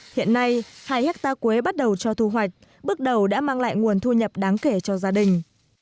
hiện nay hai hectare quế bắt đầu cho thu hoạch bước đầu đã mang lại nguồn thu nhập đáng kể cho gia đình